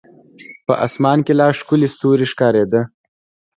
په اسمان کې لا ښکلي ستوري ښکارېده.